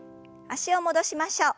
脚を戻しましょう。